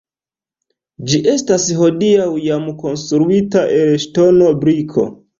Ĝi estas hodiaŭ jam konstruita el ŝtono, briko.